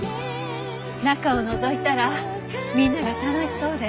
中をのぞいたらみんなが楽しそうで。